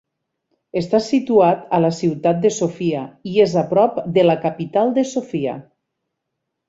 Està situat a la ciutat de Sofia i és a prop de la capital de Sofia.